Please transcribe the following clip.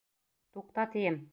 Туҡта, тием!..